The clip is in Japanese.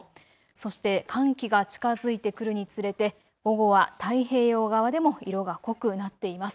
そして寒気が近づいてくるにつれて午後は太平洋側でも色が濃くなっています。